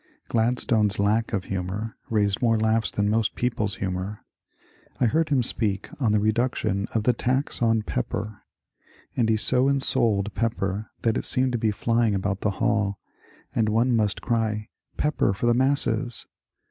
Gladstone's lack of humour raised more laughs than most VOL. n 82 MONCURE DANIEL CONWAY people's humour. I heard him speak on the reduction of the tax on pepper ; and he so ensouled pepper that it seemed to be flying about the hall, and one must cry, ^^ Pepper for the masses